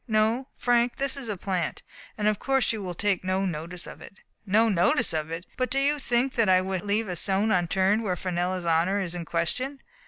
No, Frank, this is a plant ; and of course you will take no notice of it." "No notice of it! But do you think that I would leave a stone unturned where Fenella's honor is in question?"